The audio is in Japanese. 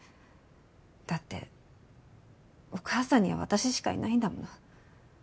だってお母さんには私しかいないんだもの。